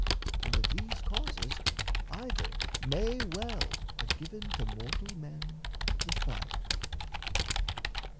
And of these causes, either May well have given to mortal men the fire.